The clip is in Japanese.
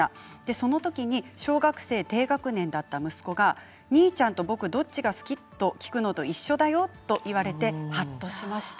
その時に小学生低学年だった息子が兄ちゃんと僕どっちが好きと聞くのと一緒だよと言われてはっとしました。